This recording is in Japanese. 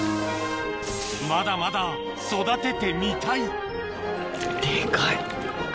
まだまだ育ててみたいデカい。